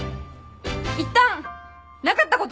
いったんなかったことに！